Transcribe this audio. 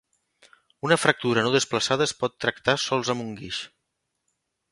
Una fractura no desplaçada es pot tractar sols amb un guix.